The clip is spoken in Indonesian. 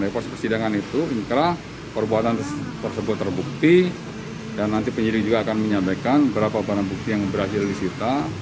dari proses persidangan itu inkrah perbuatan tersebut terbukti dan nanti penyidik juga akan menyampaikan berapa barang bukti yang berhasil disita